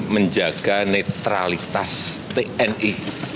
menjaga netralitas tni